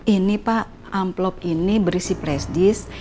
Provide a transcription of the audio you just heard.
ini pak amplop ini berisi plesdis